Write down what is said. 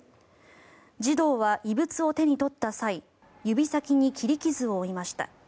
児童は異物を手に取った際指先に切り傷を負いました。